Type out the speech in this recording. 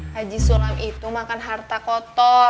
haji suram itu makan harta kotor